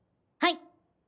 はい。